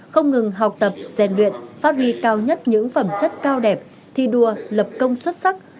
không ngừng học tập rèn luyện phát huy cao nhất những phẩm chất cao đẹp thi đua lập công xuất sắc